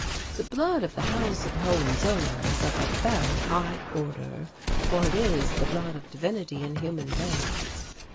The blood of the House of Hohenzollern is of a very high order for it is the blood of divinity in human veins.